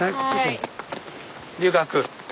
留学？